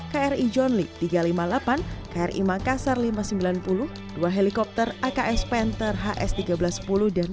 kri john lee tiga ratus lima puluh delapan kri makassar lima ratus sembilan puluh dua helikopter aks panther hs seribu tiga ratus sepuluh dan dua ratus